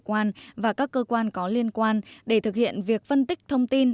cơ quan hải quan và các cơ quan có liên quan để thực hiện việc phân tích thông tin